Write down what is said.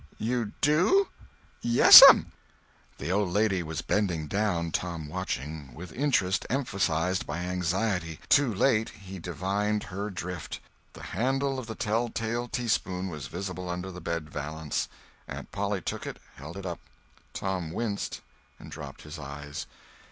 "You do?" "Yes'm." The old lady was bending down, Tom watching, with interest emphasized by anxiety. Too late he divined her "drift." The handle of the telltale tea spoon was visible under the bed valance. Aunt Polly took it, held it up. Tom winced, and dropped his eyes.